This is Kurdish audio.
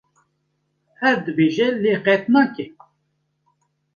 Her dibêje lê qet nake.